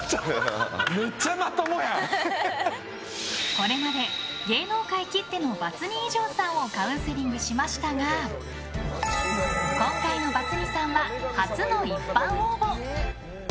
これまで芸能界きってのバツ２以上をカウンセリングしましたが今回のバツ２さんは初の一般応募。